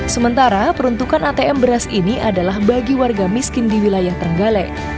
sementara peruntukan atm beras ini adalah bagi warga miskin di wilayah terenggalek